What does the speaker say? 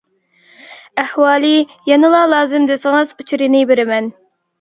ئەھۋالى يەنىلا لازىم دېسىڭىز ئۇچۇرىنى بېرىمەن.